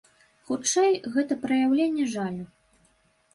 Хутчэй, гэта праяўленне жалю.